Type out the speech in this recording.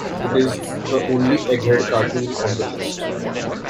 It is the only Egghead cartoon on the list.